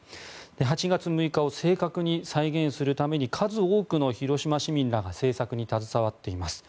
８月６日を正確に再現するために数多くの広島市民らが製作に携わっています。